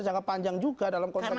jangka panjang juga dalam konteks